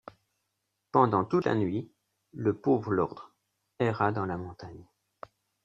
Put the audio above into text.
Pendant toute la nuit, le pauvre lord erra dans la montagne.